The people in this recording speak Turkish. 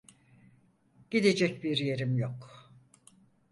Gidecek bir yerim yok.